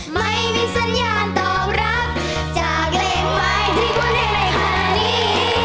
ไม่มีสัญญาณตอบรับจากเลขหมายที่ว่าเลขในขณะนี้